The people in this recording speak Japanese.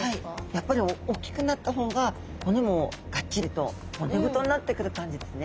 やっぱりおっきくなった方が骨もがっちりと骨太になってくる感じですね！